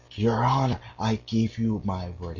Your honor! I give you my word